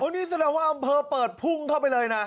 นี่แสดงว่าอำเภอเปิดพุ่งเข้าไปเลยนะ